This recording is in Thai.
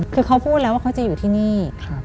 คือเขาพูดแล้วว่าเขาจะอยู่ที่นี่